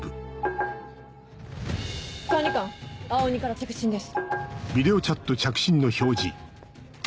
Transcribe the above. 管理官青鬼から着信です。